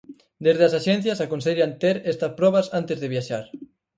Desde as axencias aconsellan ter estas probas antes de viaxar.